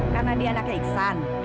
karena dia anaknya iksan